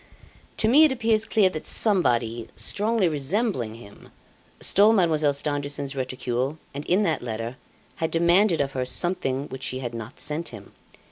"To me it appears clear that somebody, strongly resembling him, stole Mademoiselle Stangerson's reticule and in that letter, had demanded of her something which she had not sent him.